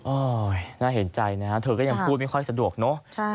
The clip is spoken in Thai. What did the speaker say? น่าเห็นใจนะเธอก็ยังพูดไม่ค่อยสะดวกเนอะ